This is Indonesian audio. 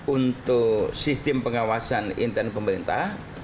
untuk sistem pengawasan internal pemerintahan